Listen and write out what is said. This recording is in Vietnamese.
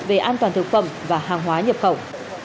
về an toàn thực phẩm và hàng hóa nhập khẩu